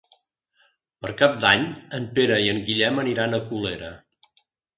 Per Cap d'Any en Pere i en Guillem aniran a Colera.